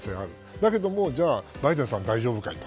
だけども、じゃあバイデンさんは大丈夫かと。